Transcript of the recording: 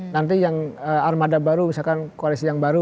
nanti yang armada baru misalkan koalisi yang baru